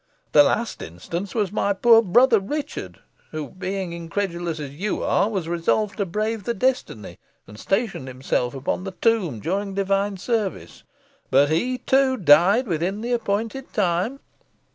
The last instance was my poor brother Richard, who, being incredulous as you are, was resolved to brave the destiny, and stationed himself upon the tomb during divine service, but he too died within the appointed time."